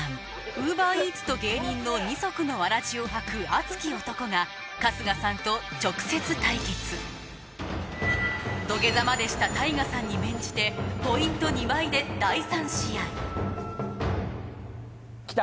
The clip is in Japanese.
ＵｂｅｒＥａｔｓと芸人の二足のわらじを履く熱き男が春日さんと直接対決土下座までしたＴＡＩＧＡさんに免じてポイント２倍で第３試合きた？